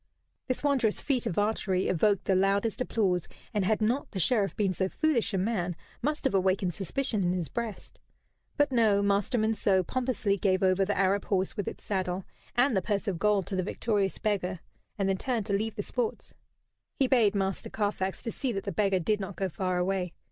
This wondrous feat of archery evoked the loudest applause, and had not the Sheriff been so foolish a man, must have awakened suspicion in his breast. But, no Master Monceux pompously gave over the Arab horse with its saddle, and the purse of gold to the victorious beggar; and then turned to leave the sports. He bade Master Carfax to see that the beggar did not go far away.